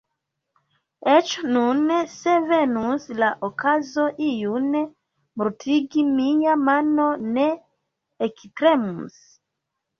Eĉ nune, se venus la okazo iun mortigi, mia mano ne ektremus.